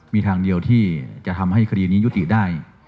มีทางเดียวที่จะทำให้คดีนี้ยุติได้